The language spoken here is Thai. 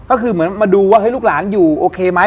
ก็คือเหมือนมาดูว่าลูกหลานอยู่โอเคไหม